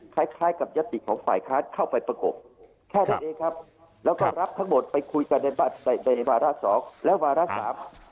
คล้ายกับยาติของฝ่ายค้านเข้าไปประกบแค่นั้นเองครับ